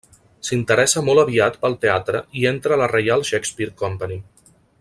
S'interessa molt aviat pel teatre i entra a la Reial Shakespeare Company.